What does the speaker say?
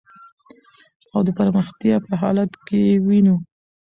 او د پرمختیا په حالت کی یې وېنو .